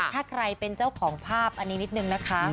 ถ้าใครเป็นเจ้าของภาพอันนี้นิดนึงนะคะ